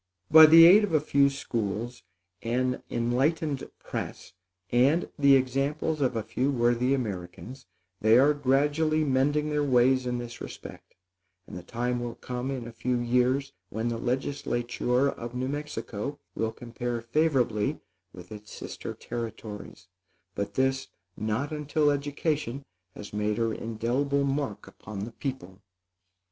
By the aid of a few schools, an enlightened press, and the examples of a few worthy Americans, they are gradually mending their ways in this respect; and the time will come in a few years, when the legislature of New Mexico will compare favorably with its sister territories; but this, not until education has made her indelible mark upon the people.